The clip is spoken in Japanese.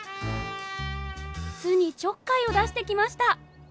巣にちょっかいを出してきました。